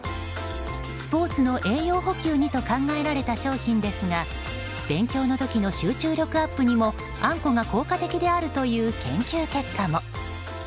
スポーツの栄養補給にと考えられた商品ですが勉強の時の集中力アップにもあんこが効果的であるという研究結果も。